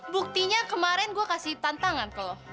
buktinya kemarin gue kasih tantangan ke lo